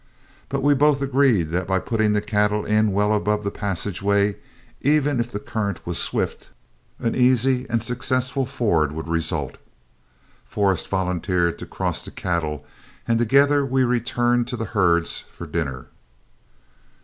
But we both agreed that by putting the cattle in well above the passageway, even if the current was swift, an easy and successful ford would result. Forrest volunteered to cross the cattle, and together we returned to the herds for dinner.